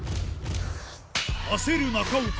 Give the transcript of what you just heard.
焦る中岡